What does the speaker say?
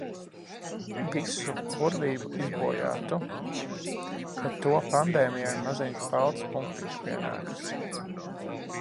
Visu burvību izbojātu. Par to pandēmijai maziņš balts punktiņš pienākas.